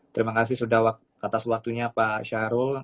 terima kasih sudah atas waktunya pak syahrul